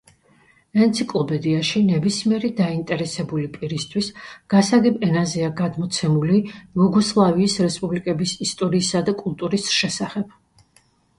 ენციკლოპედიაში ნებისმიერი დაინტერესებული პირისთვის გასაგებ ენაზეა გადმოცემული იუგოსლავიის რესპუბლიკების ისტორიისა და კულტურის შესახებ.